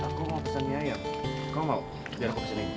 aku mau pesen mi ayam kau mau biar aku pesenin